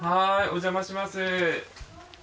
お邪魔します。